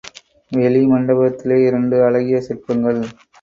வெளி மண்டபத்திலே இரண்டு அழகிய சிற்பங்கள்.